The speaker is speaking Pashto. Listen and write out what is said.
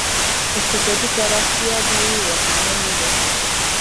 اقتصادي پراختیا به یې واکمني وګواښي.